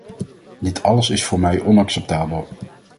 Dit alles is voor mij onacceptabel.